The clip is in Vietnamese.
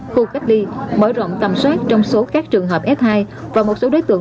khu kết ly mở rộng tầm soát trong số các trường hợp s hai và một số đối tượng